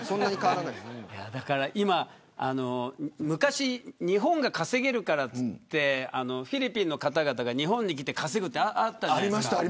昔、日本が稼げるからといってフィリピンの方々が日本に来て稼ぐってあったじゃないですか。